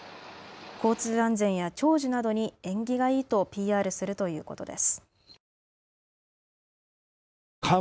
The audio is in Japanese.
交通安全や長寿などに縁起がいいとＰＲするということです。